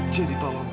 jadi tolong mila